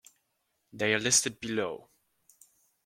They are listed below.